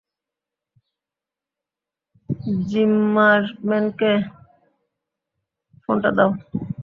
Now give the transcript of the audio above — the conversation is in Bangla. যিম্মারম্যানকে ফোনটা দাও।